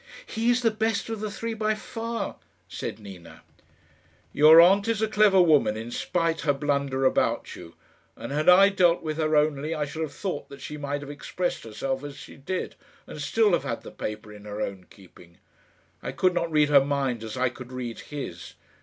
"He is the best of the three, by far," said Nina. "Your aunt is a clever woman in spite her blunder about you; and had I dealt with her only I should have thought that she might have expressed herself as she did, and still have had the paper in her own keeping. I could not read her mind as I could read his.